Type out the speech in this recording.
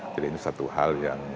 jadi ini satu hal yang